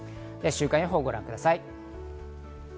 週間予報、ご覧ください。